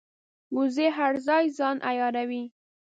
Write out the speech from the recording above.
وزې هر ځای ځان عیاروي